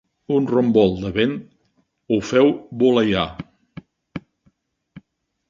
Un romboll de vent ho feu voleiar.